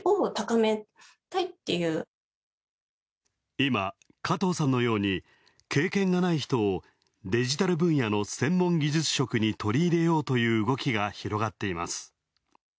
今、加藤さんのように、経験がない人をデジタル分野の専門技術職に取り入れようという動きが広がっています。